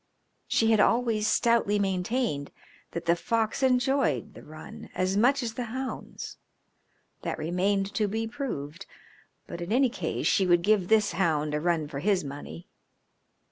She had always stoutly maintained that the fox enjoyed the run as much as the hounds; that remained to be proved, but, in any case, she would give this hound a run for his money.